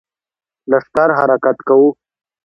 لښکر حرکت کوو.